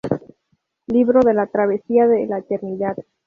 Libro de la Travesía de la Eternidad